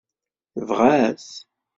Tebɣa-t?